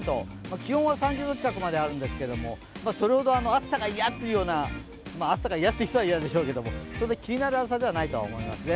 気温は３０度近くまであるんですけど、暑さが嫌という人は嫌でしょうけども、気になる暑さではないと思いますね。